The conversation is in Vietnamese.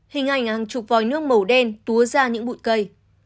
hình ảnh hàng chục vòi nước màu đen túa ra những bụi cây